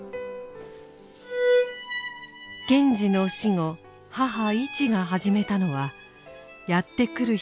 賢治の死後母イチが始めたのはやって来る人